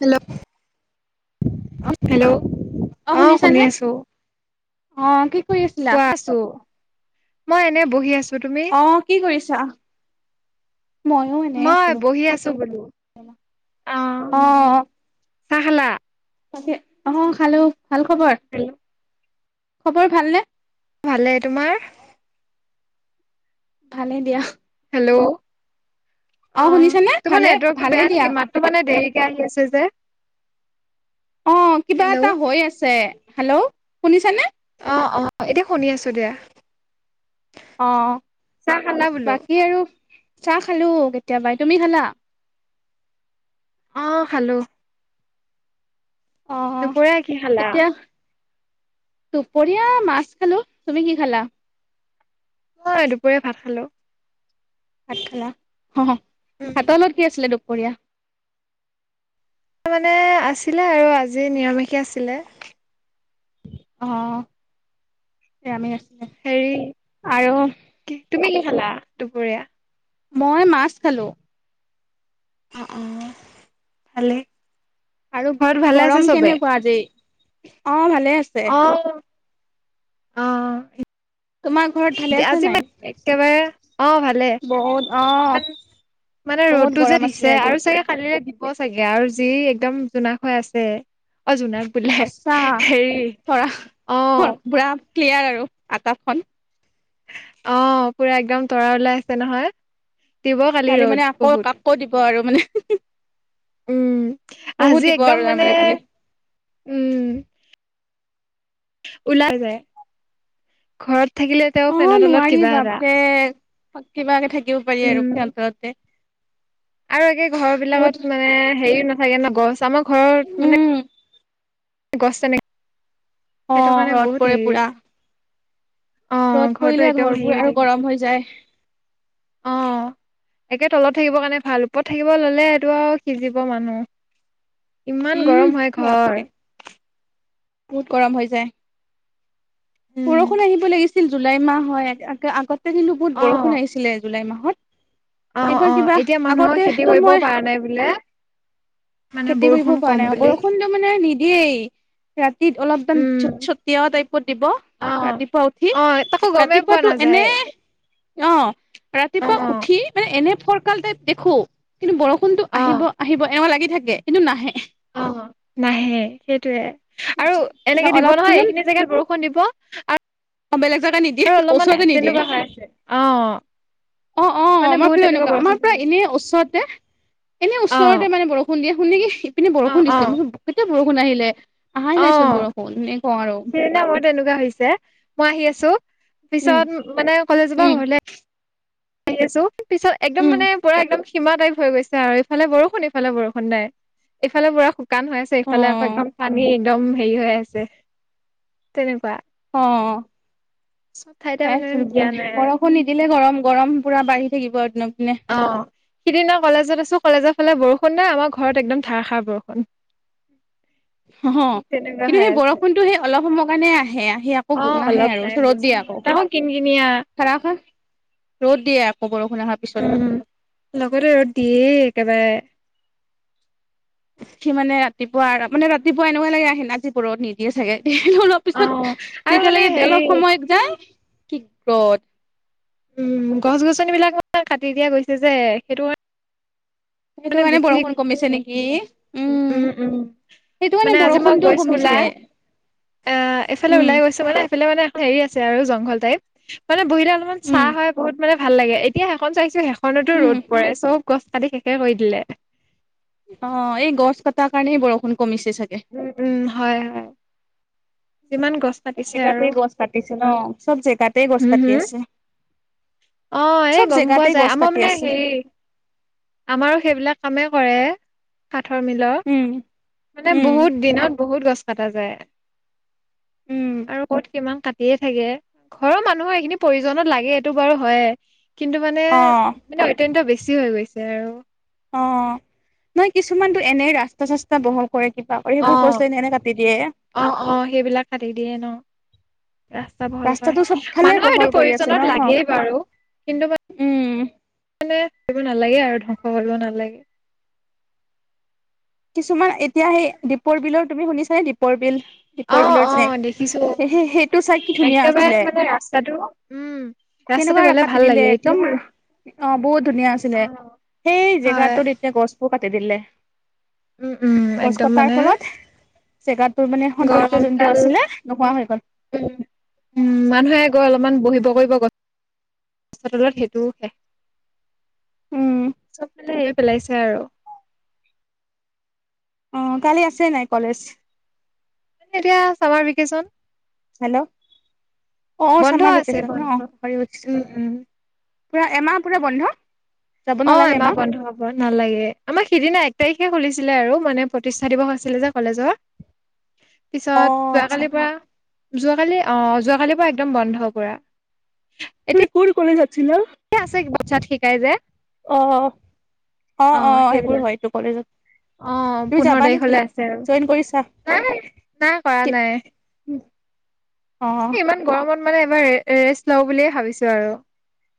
Hello hello অ শুনি আছো অ কি কৰি আছিলা? কোৱা আছো মই এনে বহি আছো তুমি আহ কি কৰিছা ময়ো এনেই মই বহি আছো বোলো আছিলো অ আহ চাহ খালা তাকে আহ খালো ভাল খবৰ হেল্ল' খবৰ ভালনে ভালে তোমাৰ ভালে দিয়া হেল্ল' অ অ শুনিছানে তোমাৰ ভালে নেটৱৰ্কটো ভালে বেয়া দিয়া নেকি মাততো মানে দে কে আহি আছে যে [unintelligible] অ কিবা হেল্ল' এটা হৈ আছে হেল্ল' শুনিছানে অ অ এতিয়া শুনি আছো দিয়া অ চাহ খালা বোলো বাকী আৰু চাহ খালো কেতিয়াবাই তুমি খালা অ খালো অ দুপৰীয়া কি খালা এতিয়া দুপৰীয়া মাছ খালো তুমি কি খালা অ দুপৰীয়া ভাত খালো ভাত খালা অ ভাতৰ উম লগত কি আছিলে দুপৰীয়া মানে আছিলে আৰু আজি নিৰামিষে আছিলে অ এ আমি আছো হেৰি কি তুমি কি খালা দুপৰীয়া মই মাছ খালোঁ অ অ ভালে আৰু ঘৰত আছে গৰম চবে কেনেকুৱা আজি অ ভালে আছে অ', অ তোমাৰ ঘৰত ভালে আছে আজি নাই মান একেবাৰে অ ভালে বহুত অ মানে বহুত ৰ'দটো যে গৰম আছিলে দিছে আজি আৰু চাগে খালিৰে [unintelligible] ক চাগে আৰু যি একদম জোনাক হৈ আছে অ জোনাক বোলে সঁচা হেৰি ধৰা অ পুৰা ক্লিয়াৰ আৰু আকাশখন অ পুৰা একদম তৰা ওলাই আছে নহয় দিব কালি খালি ৰ'দ মানে আকৌ বহুত। আকৌ দিব আৰু মানে উম বহুত আজি দিব একদম আৰু তাৰ মানে কালি উম ওলাই যায় ঘৰত থাকিলে তেওঁ অ ফেনৰ তলত নোৱাৰি কিবা এটা বাপে কিবাকে থাকিব পাৰি উম। আৰু সিঁতৰতে আৰু একে ঘৰ বিলাকত মানে হেৰিও নাথাকে ন গছ আমাৰ ঘৰত মানে উম গছ তেনেকে অ সেইটো কাৰণে ৰ'দ বহুত পৰে হেৰি পুৰা অ ৰ'দ ঘৰটো পৰিলে একদম হেৰি ঘৰবোৰ হৈ আৰু থাকে গৰম হৈ যায়। অ একে তলত থাকিব কাৰণে ভাল ওপৰত থাকিব ললে এইটো আৰু সিজিব মানুহ ইমান উম গৰম হয় ঘৰ বাপৰে বহুত গৰম হৈ যায় বৰষুণ আহিব লাগিছিল জুলাই মাহ হয় আগতে কিন্তু বহুত অ বৰষুণ আহিছিলে জুলাই মাহত অ এইবাৰ অ কিবা এতিয়া মানুহৰ খেতি আগতেতো কৰিবও মই পৰা নাই বোলে মানে খেতি কৰিব বৰষুণ পৰা কম নাই বুলি বৰষুণটো মানে নিদিয়েই ৰাতি অলপ মান উম ছট ছট দিয়া টাইপত দিব অ ৰাতিপুৱা উঠি অ তাকো গমেই পোৱা ৰাতিপুৱাটো এনে নাযায় অ অ ৰাতিপুৱা উঠি মানে এনে ফৰকাল তাইপ দেখো। কিন্তু বৰষুণতটো অ আহিব আহিব এনেকুৱা লাগি থাকে কিন্তু নাহে অ অ নাহে সেইটোয়ে আৰু এনেকে দিব অলপ নহয় পিছত এইখিনি জেগাত বৰষুণ দিব অ বেলেগ জেগা নিদিয়ে আৰু অলপমান ওচৰতে নিদিয়ে তেনেকোৱা হৈ আছে অ অ অ মানে আমাৰ বহুত ফালে তেনেকুৱা এনেকোৱা বৰষুণ আমাৰ পৰা হৈ আছে এনে ওচৰতে এনে অ ওচৰতে মানে বৰষুণ দিয়ে শুনি কি এপিনে অ বৰষুণ অ দিছে মই কৈছো কেতিয়া বৰষুণ আহিলে আহাই অ নাইচোন বৰষুণ এনে কওঁ আৰু সেইদিনা মোৰ তেনেকোৱা হৈছে মই আহি আছো উম পিছত মানে কলেজৰ পৰা উম ঘৰলে আহি আছো পিছত একদম উম মানে পুৰা একদম সীমা টাইপ হৈ গৈছে আৰু ইফালে বৰষুণ ইফালে বৰষুণ নাই ইফালে বৰষুণ শুকান হৈ আছে অ ইফালে আকৌ একদম পানী একদম হেৰি হৈ আছে তেনেকোৱা অ ঠাইতে মানে দিয়া নাই আৰু বৰষুণ নিদিলে গৰম গৰম পুৰা বাঢ়ি থাকিব একদম অ সিদিনা কলেজত আছো কলেজত ফালে বৰষুণ নাই আমাৰ ঘৰত একদম ধাৰাষাৰ বৰষুণ হ হ তেনেকুৱা কিন্তু হৈ সেই আছে বৰষুণটো সেই অলপ সময়ৰ কাৰণে আহে সি আকৌ অ', নাহে অলপ আৰু টাইম ৰ'দ বেছি দিয়ে নহয় আকৌ তাকো কিন কিনিয়া ধাৰাষাৰ ৰ'ত দিয়ে আ উম লগতে ৰদ দিয়েই একেবাৰে উঠি মানে ৰাতিপুৱা মানে ৰাতিপুৱা এনেকোৱা লাগে আহে আজি ৰদ নিদিয়ে চাগে লোৱাৰ অ পিছত আৰু মানে তেতিয়ালৈকে হেৰি অলপ সময় যায় কি কত উম গছ গছনিবিলাক ইমান কাটি দিয়া গৈছে যে সেইটো কাৰনে সেইটো কাৰণে বৰষুণ কমিছে নেকি উম সেইটো কাৰনে বৰষুণটোও কমিছে অ এইফালে উম ওলাই গৈছো মানে সিফালে মানে এখন হেৰি আছে আৰু জংঘল টাইপ মানে বহিলে অলপমান চা উম হয় বহুত মানে ভাল লাগে এতিয়া সেখন চাইছো সে খনতো ৰ'দ উম পৰে চব গছ কাটি শেষে কৰি দিলে অ এই গছ কতাৰ কাৰণেই বৰষুণ কমিছে চাগে উম উম হয় হয় যিমান গছ চব কাটিছে আৰু জেগাতেই গছ কাটিছে ন চব জেগাতেই গছ হুম কাটি হুম আছে অ এই চব গম পোৱা জেগাতেই যায় গছ আমাৰ কাটি মানে আছে হেৰি আমাৰো সেইবিলাক কামেই কৰে কাঠৰ মিলৰ উম মানে উম বহুত দিনত বহুত গছ কটা যায় উম আৰু ক'ত কিমান কা টিয়ে থাকে ঘৰৰ মানুহৰ এইখিনি প্ৰয়োজনত লাগে এইটো বাৰু হয়ে কিন্তু মানে অ মানে অত্যন্ত বেছি হৈ গৈছে আৰু অ নহ কিছুমানতো এনে ৰাস্তা চাস্তা বহল কৰে কিবা কৰে অ সেইবোৰ গছ এনে এনে কাটি দিয়ে। অ অ সেইবিলাক কাটি দিয়ে ন ৰাস্তা বহল কৰা ৰাস্তাটো আহি চবফালে মানুহৰ বহল সেইটো কৰি আছে প্ৰয়োজনত ন লাগেই বাৰু কিন্তু উম মান- মানে কৰিব নালাগে আৰু ধ্বংস কৰিব নালাগে। কিছুমান এতিয়া সেই দীপৰ বিলৰ তুমি শুনিছানে দীপৰ বিল অ দীপৰ বিলৰ যেনে অ দেখিছো সে সেইটো চাই কি ধুনীয়া একেবাৰে আছিলে। মানে ৰাস্তাটো উম ৰাস্তাটো কেনেকোৱা গ'লে কাটি ভাল দিলে লাগে একদম এতিয়া অ বহুত ধুনীয়া অ আছিলে। সেই হয় জেগাটোত এতিয়া গছবোৰ কাটি দিলে উম উম গছ একদম কটাৰ মানে ফলত জেগাতটোৰ মানে সৌন্দৰ্য্য যোনটো গৰমডাল আছিলে নোহোৱা হৈ গল। উম উম মানুহে গৈ অলপমান বহিব কৰিব গছ তলত সেইটোও শেষ উম চব ফালে পেলাইছে আৰু অ কালি আছে নাই কলেজ এতিয়া চামাৰভেকেশ্যন হেল্ল' অ অ বন্ধ ছামাৰ আছে ভেকেশ্যন ন বন্ধ অ পাহৰি গৈছো। উম উম পুৰা এমাহ পুৰা বন্ধ। যাব অ নালাগে এমাহ বন্ধ হব নালাগে আমাৰ সিদিনা। তাৰিখে খুলিছিলে আৰু মানে প্ৰতিষ্ঠা দিৱস আছিলে যে কলেজৰ। অ পিছত আচ্ছা যোৱাকালিৰ পৰা। যোৱাকালি অ যোৱাকালিৰ পৰা একদম বন্ধ পুৰা। তুমি কোন কলেজত আছিলা? পাছাত শিকাই যে। অ অ অ সেইবোৰ হয় এইটো কলেজত। অ তুমি পোন্ধৰ যাবা নেকি তাৰিখলে আছে আৰু জইন কৰিছা নাই নাই কৰা নাই। উম। ইমান গৰমত মানে এবাৰ ৰেষ্ট লওঁ বুলিয়ে ভাবিছোঁ আৰু।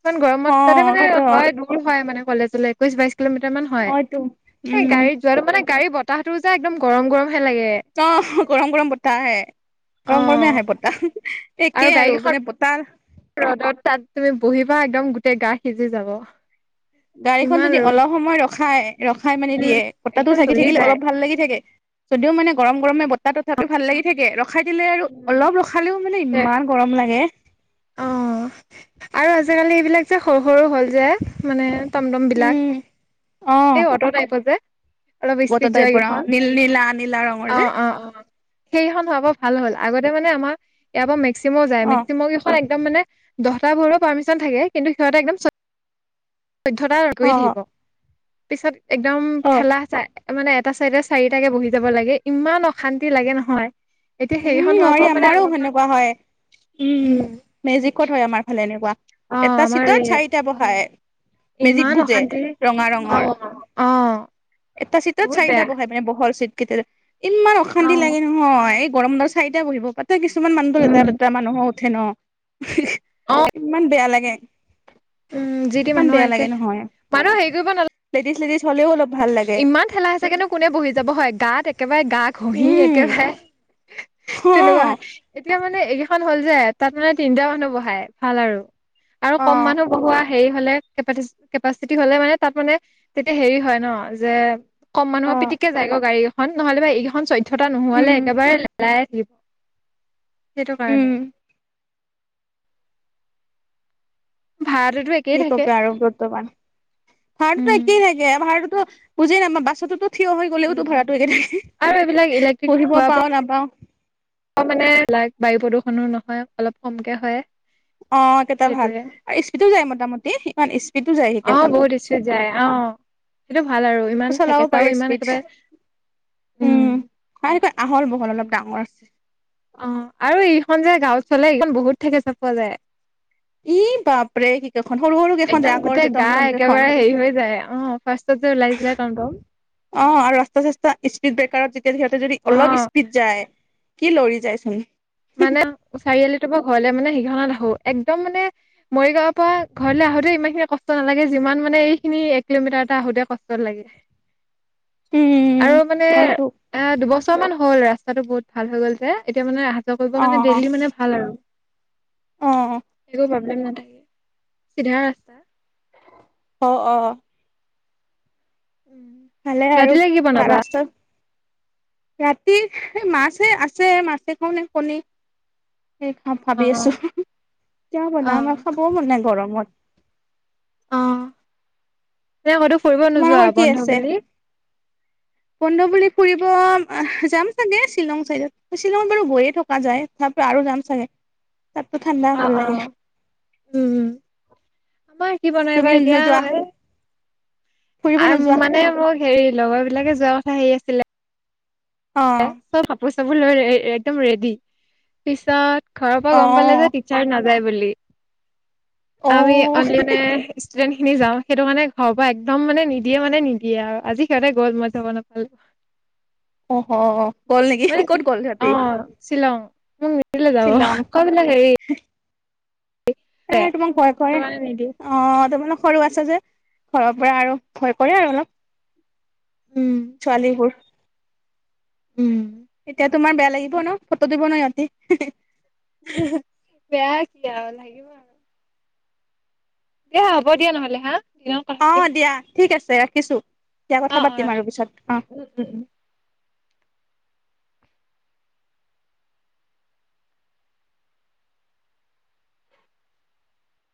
ইমান গৰমত অ তাতে মানে তাকেতো হয় দূৰ হয় মানে কলেজলে একৈশ বাইশ কিলোমিটাৰ মান অ হয় এইটো এই উম গাড়ীত যোৱাটো মানে গাড়ী বতাহতটো যে একদম গৰম গৰম। অহ গৰম গৰম বতাহ আহে গৰম গৰমে অ', আহে বতাহ। একেই আৰু মানে বতাহ। ৰ'দত তাত তুমি বহিবা একদম গোটেই গা সিজি যাব। গাড়ীখন‌ ইমান যদি ৰ'দ অলপ সময় ৰখাই। ৰখাই মানে উম দিয়ে বতাহটো একদম থাকি জ্বলি থাকিলে যায় অলপ ভাল লাগি থাকে যদিওঁ মানে গৰম। গৰমে বতাহ তথাপিও ভাল লাগি থাকে ৰখাই দিলে আৰু অলপ ৰখালেওঁ মানে ইমান গৰম লাগে। অ', আৰু আজিকালি এইবিলাক যে সৰু সৰু হ'ল যে মানে টমটম বিলাক উম অ এই অট টাইপৰ যে। অলপ ইস্পিত বতৰ যোৱা টাইপৰ অ এখন নীল নীলা নীলা ৰঙৰ অ যে অ অ। সেইখন হব ভাল হ'ল আগত মানে আমাৰ ইয়াৰ পৰা মেক্সিম' যায় অ মেক্সিমখন একদম মানে দহ বোৰো পাৰ্মিশন থাকে কিন্তু সিহঁতে একদম চৈধ্যতা অ কৰি থাকিব। পিছত একদম অ ঠেলা হেঁচা। মানে এটা চাইডে চাৰিটাকে বহি যাব লাগে ইমান অশান্তি লাগে নহয়। এতিয়া উম সেইখন হোৱাৰ নোৱাৰি পৰা মানে আমাৰো অলপমান সেনেকুৱা হয় উম মেজিকত হয় আমাৰ ফালে এনেকুৱা। অ', এটা আমাৰ চিটত এই চাৰিটা বহাই। মেজিক ইমান বুজে অশান্তি ৰঙা অ', ৰঙৰ। অ', এটা চিটত বহুত চাৰিটা বেয়া বহে মানে বহল চীট। কেতিয়াদে ইমান অশান্তি লাগে নহয় এই গৰম দৰ চাৰিটা বহিব পাই কিছুমান মানুহ লেতেৰা পেতেৰা মানুহো উঠে ন ইমান বেয়া লাগে। উম যি তি ইমান মানুহ বেয়া লাগে একে নহয় মানুহ হেৰি কৰিব নালাগে। লেডিজ লেডিজ হ'লেও অলপ ভাল লাগে ইমান ঠেলা হেঁচাকেনো বহি যাব হয় গাত একেবাৰে গা ঘঁহি উম একেবাৰে। হ তেনেকুৱা হয় এতিয়া মানে এইকেইখন হ'ল যে তাত মানে তিনিটা মানুহ বহাই ভাল আৰু। আৰু অ কম মানুহ বহোৱা হেৰি হলে। কেপাচিটি হলে মানে তাত মানে তেতিয়া হেৰি হয় ন যে। কম অ মানুহৰ পিটিকে যাই গৈ গাড়ী এখন নহলে বা এইখন চৈধ্যটা নোহালে উম একেবাৰে নাজাইয়ে থাকিব। সেইটো উম কাৰণে। ভাড়াটোতো একেই কি থাকে কব আৰু বৰ্তমান ভাড়াটোতো উম একেই থাকে ভাড়াটোতো। বুজি নাপাওঁ বাছতো ত। থিয় হৈ গলেওঁতো ভাড়াটো একে থাকে আৰু এইবিলাক বহিব পাওঁ নাপাওঁ। অ মানে লাইক বায়ু প্ৰদূষণো নহয় অলপ কমকে হয়। অ কেইটা ভাল সেইটোয়ে আৰু স্পিডো যায় মোটামুটি ইমান স্পড। অ বহুত চস্পেড যায় অ। সেইটো ভাল আৰু ইমান চলাব পাৰে থেকেচাওঁ ইমান স্পীড একেবাৰে। উম হয় এনেকৈ আহল বহল অলপ ডাঙৰ আছে। অ আৰু এইখন যে গাঁও চলে এইখন বহুত থেকেচা পোৱা যায়। ই বাপৰে কি কেইখন সৰু সৰু কেইখন যে একদম আগৰ যে গোটেই গা টমটম কেইখন একেবাৰে হেৰি হৈ যায় অ ফাৰ্ষত। লাইভ লাই অন্ধ অ আৰু ৰাস্তা সাস্থা স্পীড ব্ৰেকাৰত যেতিয়া সিহঁতে যদি অ অলপ স্পীড যায়। কি লৰি যাইচোন। মানে চাৰিআলি তপ পৰা ঘৰলে মানে সেই ইহনত আহো একদম মানে মৰি গগাঁৱৰ পৰা ঘৰলৈ আহোতে ইমান খিনি কষ্ট নালাগে যিমান মানে এইখিনি এক কিলোমিটাৰ এটা আহোতে কষ্ট লাগে। [inaudible] উম আৰু মানে হয়তো এ দুবছৰ মান। হ'ল ৰাস্তাটো বহুত ভাল হৈ গ'ল যে এতিয়া মানে অহা যোৱা কৰিবৰ অ কাৰণে ডেইলি মানে ভাল আৰু অ একো প্ৰব্লেম নাথাকে চিধা ৰাস্তা অ অ উম ভালে আৰু ৰাতিলে কি ভাল বনাবা আছে ৰাতি মাছেে আছে মাছে খওঁ ন কণী সেই খাম অ ভাবি আছো এতিয়া বন অ না অ খাবও মানে গৰমত অ এনে ক'তো ফুৰিব নোযোৱা তোমালোকৰ কি বন্ধ আছে বুলি? পণ্ড বুলি ফুৰিব যাম চাগে শ্বিলং চাইডত শ্বিলঙত বাৰু গৈয়ে থকা যায় তাৰ পৰা আৰু যাম চাগে। তাৰপ ঠাণ্ডা অ', ভাল অ'। লাগে। উম। আমাৰ কি বনাই তুমি বাা এতিয়া নোযোৱা ফুৰিব আ নোযোৱা মানে মোক হেৰি লগৰ বিলাকে যোৱা কথা হেৰি আছিলে। অ চব কাপোৰ চাপোৰ লৈ একদম ৰেডি পিছত ঘৰৰ পৰা অ গম পালে যে টিচাৰ নাযায় বুলি অ আমি অনল ষ্টুডেণ্ট খিনি যাওঁ সেইটো কাৰণে ঘৰৰ পৰা একদম মানে নিদিয়ে মানে নিদিয়ে আৰু আজি সিহঁতে গ'ল মই যাব নাপালো। অহ হ গ'ল নেকি ক'ত গ'ল সিহঁতি উম নি যাব শ্বিলং কবিল হি এ তোমাক ভয় কৰে কাৰণে নিদিয়ে অ তোম সৰু আছে যে ঘৰৰ পৰা আৰু ভয় পৰে আৰু অলপ উম ছোৱালি বোৰ উম। এতিয়া তোমাৰ বেয়া লাগিব ন ফটো দিব ন সিহঁতে বেয়া কি আৰু লাগিব আৰু দিয়া হ'ব দিয়া নহলে হা দিনত কথা অ পাতিম দিয়া ঠিক আছে ৰাখিছো দিয়া কথা অ' অ' পাতিম ৰাখা। আৰু পিছত অ। উম, উম, উম। [inaudible]